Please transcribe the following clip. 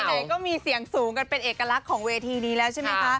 ไหนก็มีเสียงสูงกันเป็นเอกลักษณ์ของเวทีนี้แล้วใช่ไหมคะ